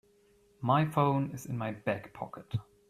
My phone is in my back pocket.